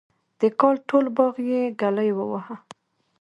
د کال ټول باغ یې ګلي وواهه.